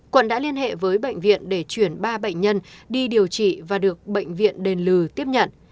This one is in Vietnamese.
quận đã liên hệ với bệnh viện để chuyển ba bệnh nhân đi điều trị và được bệnh viện đền lừ tiếp nhận